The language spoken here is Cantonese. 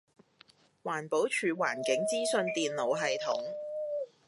環境保護署環境資訊電腦系統